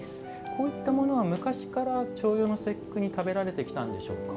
こういったものは昔から重陽の節句に食べられてきたんでしょうか。